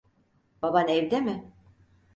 Baban evde mi?